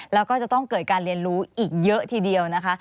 แล้วก็จะต้องเกิดการเรียนรู้อีกเยอะทีเดียวนะคะ